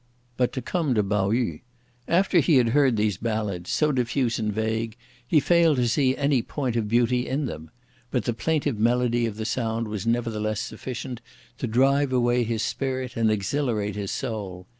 But to come to Pao yü. After he had heard these ballads, so diffuse and vague, he failed to see any point of beauty in them; but the plaintive melody of the sound was nevertheless sufficient to drive away his spirit and exhilarate his soul.